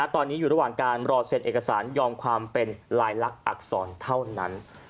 ตอนนี้อยู่ระหว่างการรอเซ็นเอกสารยอมความเป็นลายลักษณ์อักษรเท่านั้น